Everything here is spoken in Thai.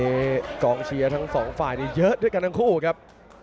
ในนั้นคนเชียร์ทั้ง๒ฝ่ายเยอะด้วยกันทั้ง๒ครับ